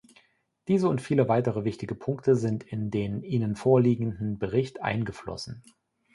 Diese und viele weitere wichtige Punkte sind in den Ihnen vorliegenden Bericht eingeflossen.